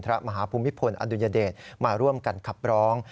พระมหาภูมิพลอดุญเดชมาร่วมกันขับร้อง